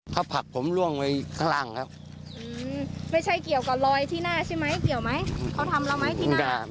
ข้าวผักผมล่วงไว้ข้างล่างครับ